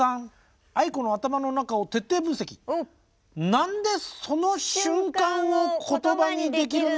なんでその瞬間を言葉にできるの？